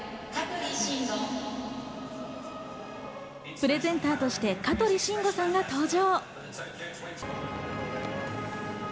プレゼンターとして香取慎吾さんが登場。